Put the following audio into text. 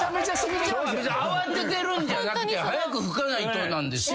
慌ててるんじゃなくて早く拭かないとなんですよね。